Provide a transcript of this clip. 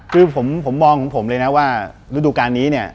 คือผมมองของผมเลยนะว่าฤดูการนี้เนี่ย